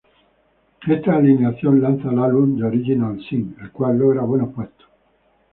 Esta alineación lanza el álbum "The Original Sin", el cual logra buenos puestos.